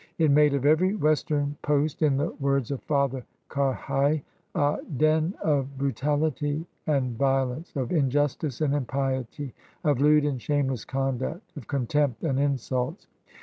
It made of every western post, in the words of Father Carheil, a den of "brutality and violence, of injustice and impiety, of lewd and shameless conduct, of contempt and insults.'